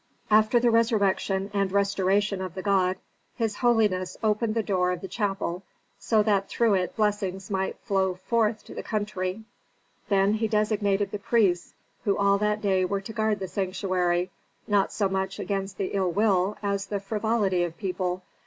After the resurrection and restoration of the god, his holiness opened the door of the chapel, so that through it blessings might flow forth to the country. Then he designated the priests, who all that day were to guard the sanctuary, not so much against the ill will, as the frivolity of people.